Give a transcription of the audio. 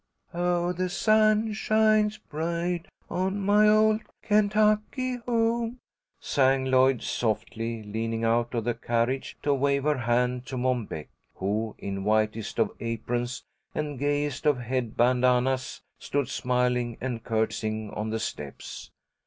"'Oh, the sun shines bright on my old Kentucky home,'" sang Lloyd, softly, leaning out of the carriage to wave her hand to Mom Beck, who, in whitest of aprons and gayest of head bandanas, stood smiling and curtseying on the steps.